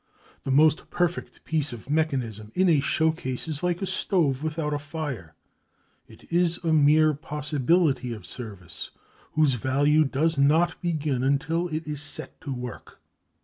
The most perfect piece of mechanism in a showcase is like a stove without a fire; it is a mere possibility of service, whose value does not begin until it is set to work.